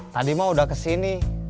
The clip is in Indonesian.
tadi ma udah kesini